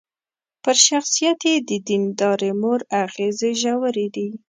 پر شخصيت يې د ديندارې مور اغېزې ژورې دي.